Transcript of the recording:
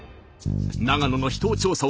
長野の秘湯調査は難航中。